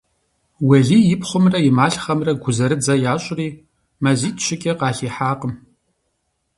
Уэлий и пхъумрэ и малъхъэмрэ гузэрыдзэ ящӀри, мазитӀ-щыкӀэ къалъихьакъым.